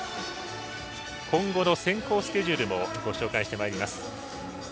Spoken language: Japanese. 今後の選考スケジュールもご紹介していきます。